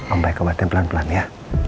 ombaik obatin pelan pelan ya